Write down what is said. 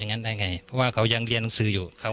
งั้นได้ไงเพราะว่าเขายังเรียนหนังสืออยู่เขา